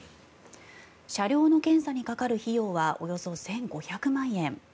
車両の検査にかかる費用はおよそ１５００万円。